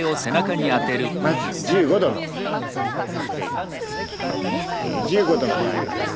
まず１５度のトレーニングということで１５度の場合はですね